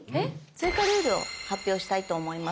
追加ルールを発表したいと思います。